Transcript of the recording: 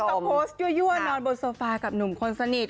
เขาโพสต์ยั่วนอนบนโซฟากับหนุ่มคนสนิท